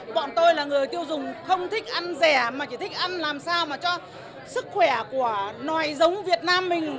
bọn tôi là người tiêu dùng không thích ăn rẻ mà chỉ thích ăn làm sao mà cho sức khỏe của nòi giống việt nam mình